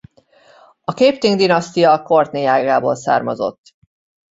A Capeting-dinasztia Courtenay ágából származott.